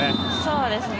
そうですね。